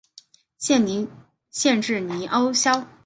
县治尼欧肖。